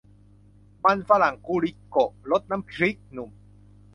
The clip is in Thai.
มันฝรั่งกูลิโกะ รสน้ำพริกหนุ่ม !